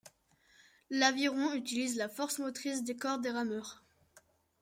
L'aviron utilise la force motrice des corps des rameurs.